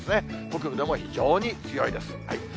北部でも非常に強いです。